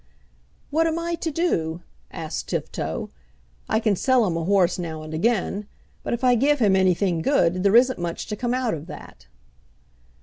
"What am I to do?" asked Tifto. "I can sell him a horse now and again. But if I give him anything good there isn't much to come out of that."